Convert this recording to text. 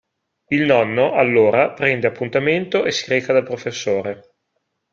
Il nonno, allora, prende appuntamento e si reca dal professore.